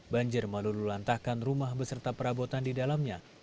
banjir melulu lantahkan rumah beserta perabotan di dalamnya